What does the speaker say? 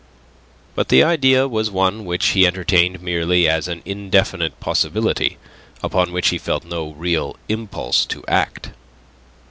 But the idea was one which he entertained merely as an indefinite possibility upon which he felt no real impulse to act.